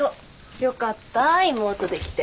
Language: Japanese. よかった妹できて。